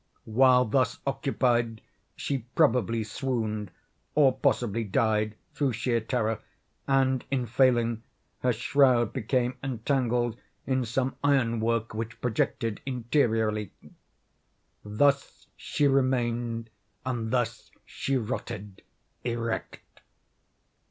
While thus occupied, she probably swooned, or possibly died, through sheer terror; and, in failing, her shroud became entangled in some iron work which projected interiorly. Thus she remained, and thus she rotted, erect.